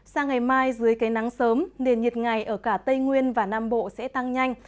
sang ngày mai dưới cây nắng sớm nền nhiệt ngày ở cả tây nguyên và nam bộ sẽ tăng nhanh